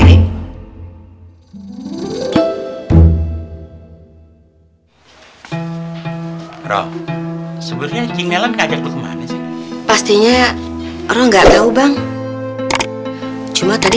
hai roh sebetulnya cinggilan kajak lu ke mana sih pastinya orang nggak tahu bang cuma tadi